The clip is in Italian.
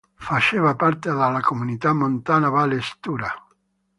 Faceva parte della Comunità montana Valle Stura.